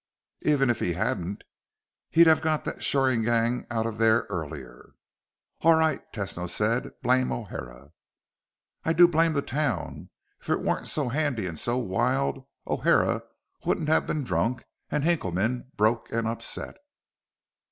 Even if he hadn't, he'd have got that shoring gang out of there earlier." "All right," Tesno said. "Blame O'Hara." "I do blame the town. If it weren't so handy and so wild, O'Hara wouldn't have been drunk and Hinkleman broke and upset."